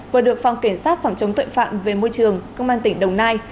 vừa được phòng kiểm soát phòng chống tội phạm về môi trường công an tỉnh đồng nai